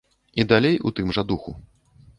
І далей у тым жа духу.